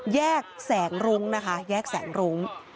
แยกแสงรุ้งนะคะแยกแสงรุ้ง